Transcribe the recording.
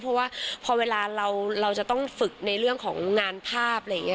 เพราะว่าพอเวลาเราจะต้องฝึกในเรื่องของงานภาพ